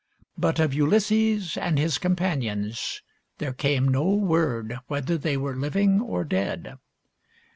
But of Ulysses and his companions there came no word whether they were living or dead.